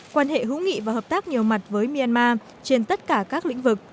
quan hệ hữu nghị và hợp tác nhiều mặt với myanmar trên tất cả các lĩnh vực